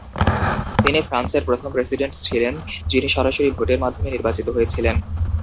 তিনি ফ্রান্সের প্রথম প্রেসিডেন্ট ছিলেন যিনি সরাসরি ভোটের মাধ্যমে নির্বাচিত হয়েছিলেন।